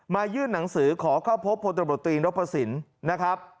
มายื่นหนังสือขอเข้าพบพลตบรตรีรับประสินภูมินะครับ